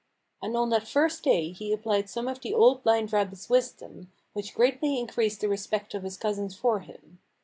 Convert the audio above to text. And on that first day he applied some of the Old Blind Rabbit's wisdom, which greatly in creased the respect of his cousins for him.